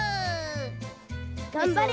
がんばれ！